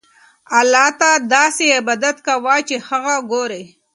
الله ته داسې عبادت کوه چې هغه ګورې.